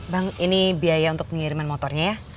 bang ini biaya untuk pengiriman motornya ya